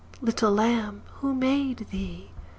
Little Lamb, who made thee?